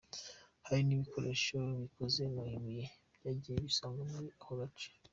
Hari n’ibikoresho bikoze mu ibuye byagiye bisangwa muri ako gace.